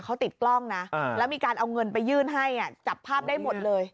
เขาติดกล้องนะแล้วมีการเอาเงินไปยื่นให้จับภาพได้หมดเลย